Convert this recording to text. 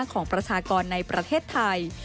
ของประชากรในประเทศไทย